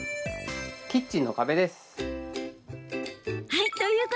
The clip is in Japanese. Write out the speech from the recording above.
キッチンの壁です。